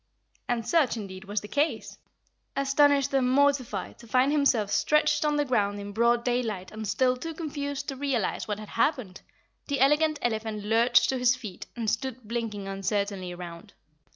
And such, indeed, was the case. Astonished and mortified to find himself stretched on the ground in broad daylight and still too confused to realize what had happened, the Elegant Elephant lurched to his feet and stood blinking uncertainly around.